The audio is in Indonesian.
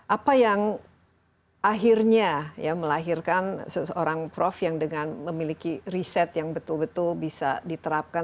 apa yang akhirnya melahirkan seorang prof yang dengan memiliki riset yang betul betul bisa diterapkan